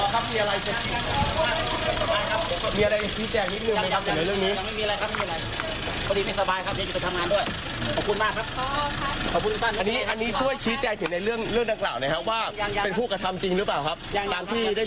หรือเปล่าครับตามที่ได้มีการเจ้าหา